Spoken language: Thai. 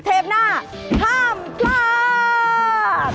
เทปหน้าห้ามพลาด